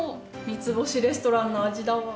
三つ星レストランの味だわ。